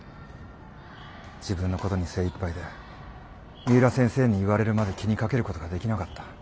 自分の事に精いっぱいで三浦先生に言われるまで気にかける事ができなかった。